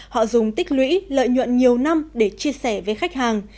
họ dùng tích lũy lợi nhuận nhiều năm để chia sẻ với khách hàng